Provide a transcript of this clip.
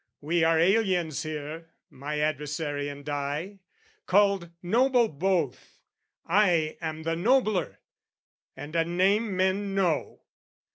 We are aliens here, "My adversary and I, called noble both; "I am the nobler, and a name men know.